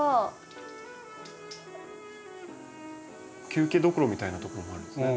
休憩どころみたいなところもあるんですね。